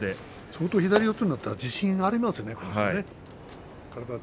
相当、左四つになったら自信がありますね、この人は。